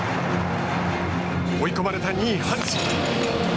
追い込まれた２位、阪神。